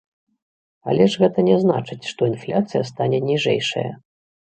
Але ж гэта не значыць, што інфляцыя стане ніжэйшая.